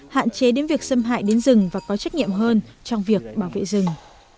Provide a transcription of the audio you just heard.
hạn chế đến việc xâm hại đến rừng và có trách nhiệm hơn trong việc bảo vệ rừng